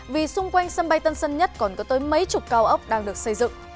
vì xung quanh sân bay tân sơn nhất còn có tới mấy chục cao ốc đang được xây dựng